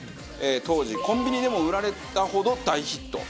当時コンビニでも売られたほど大ヒット。